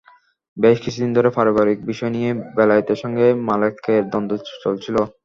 বেশ কিছুদিন ধরে পারিবারিক বিষয় নিয়ে বেলায়েতের সঙ্গে মালেকার দ্বন্দ্ব চলছিল।